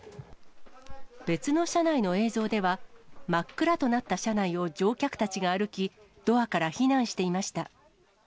別の車内の映像では、真っ暗となった車内を乗客たちが歩き、ドアから避難していました。